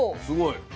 すごい。